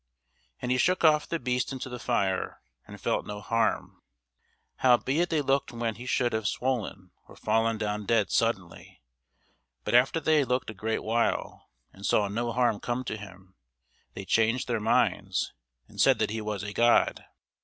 And he shook off the beast into the fire, and felt no harm. Howbeit they looked when he should have swollen, or fallen down dead suddenly: but after they had looked a great while, and saw no harm come to him, they changed their minds, and said that he was a god.